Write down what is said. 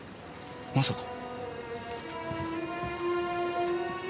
まさか。